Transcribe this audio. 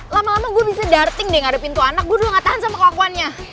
lama dua gue bisa darting deh ngarep pintu anak gue dulu gak tahan sama kelakuannya